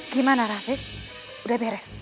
gimana rafiq udah beres